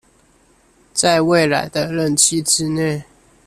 在未來的任期之內